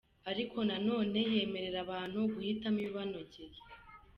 Ariko nanone yemerera abantu guhitamo ibibanogeye.